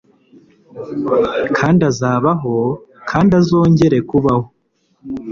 kandi azabaho kandi azongere kubaho